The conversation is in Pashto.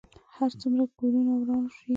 هر څومره کورونه وران شي.